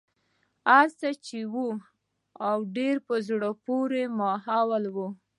هرڅه چې و ډېر په زړه پورې ماحول و.